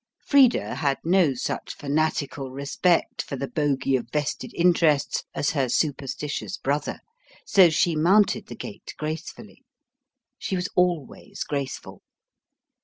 Frida had no such fanatical respect for the bogey of vested interests as her superstitious brother, so she mounted the gate gracefully she was always graceful.